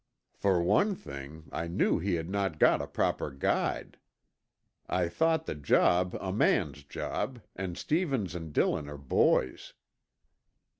"For one thing, I knew he had not got a proper guide. I thought the job a man's job, and Stevens and Dillon are boys."